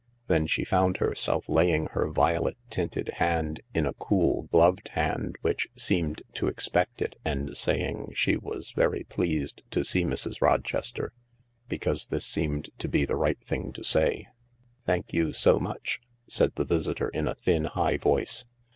Then she found herself laying her violet tinted hand in a cool, gloved hand which seemed to expect it, and saying that she was very pleased to see Mrs. Rochester, because this seemed to be the right thing to say. " Thank you so much," said the visitor in a thin, high voice.